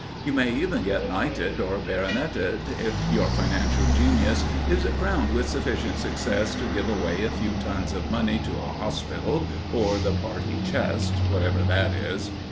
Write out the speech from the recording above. You may even get knighted or baroneted, if your financial genius is crowned with sufficient success to give away a few tons of money to a hospital, or the "party chest," whatever that is.